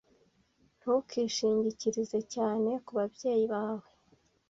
Ntukishingikirize cyane kubabyeyi bawe.